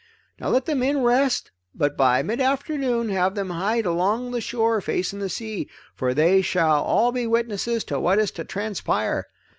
"Let the men rest, but by midafternoon have them hide along the shore facing the sea, for they shall all be witnesses to what is to transpire.